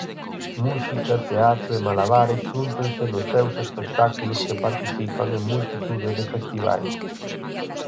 Música, teatro e malabares xúntanse nos seus espectáculos que participan en multitude de festivais.